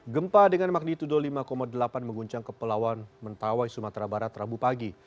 gempa dengan magnitudo lima delapan mengguncang kepulauan mentawai sumatera barat rabu pagi